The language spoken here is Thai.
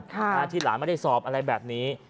ที่หลานไม่ได้สอบอะไรแบบนี้